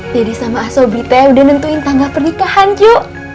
dede sama asobri teh udah nentuin tanggal pernikahan cu